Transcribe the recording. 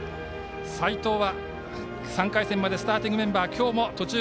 齋藤３回戦までスターティングメンバー。